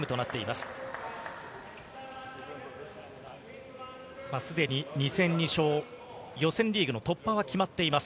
すでに２戦２勝、予選リーグの突破は決まっています。